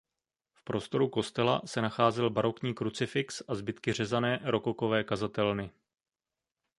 V prostoru kostela se nacházel barokní krucifix a zbytky řezané rokokové kazatelny.